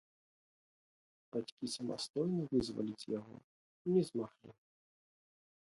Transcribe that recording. Бацькі самастойна вызваліць яго не змаглі.